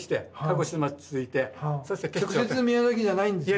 直接宮崎じゃないんですね。